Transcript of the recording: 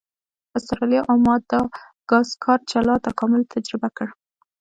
استرالیا او ماداګاسکار جلا تکامل تجربه کړ.